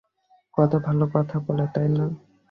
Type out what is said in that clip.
কতো ভাল কথা বলে, তাই না?